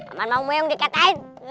aman mau boyong dikatain